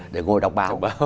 để ngồi đọc báo